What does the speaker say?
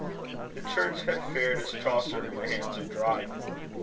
The church had fared as Chaucer in the hands of Dryden.